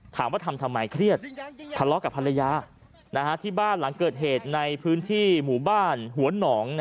ทำทำไมเครียดทะเลาะกับภรรยาที่บ้านหลังเกิดเหตุในพื้นที่หมู่บ้านหัวหนอง